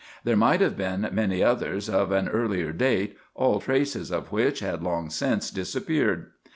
There might have been many others of an earlier date, all traces of which had long since disappeared.